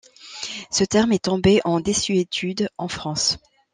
Ce terme est tombé en désuétude en France.